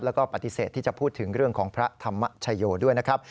แล้วก็ปฏิเสธที่จะพูดถึงเรื่องของพระธรรมชโยด้วยนะครับ